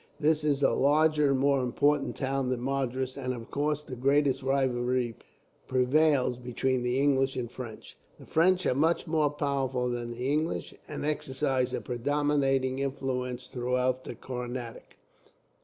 This is a larger and more important town than Madras, and of course the greatest rivalry prevails between the English and French. "The French are much more powerful than the English, and exercise a predominating influence throughout the Carnatic.